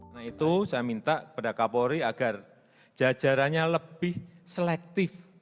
nah itu saya minta kepada kapolri agar jajarannya lebih selektif